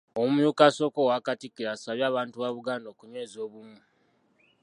Omumyuka asooka owa Katikkiro asabye abantu ba Buganda okunyweza obumu.